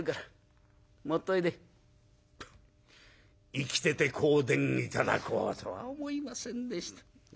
「生きてて香典頂こうとは思いませんでした。